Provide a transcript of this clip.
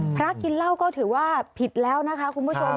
กินเหล้าก็ถือว่าผิดแล้วนะคะคุณผู้ชม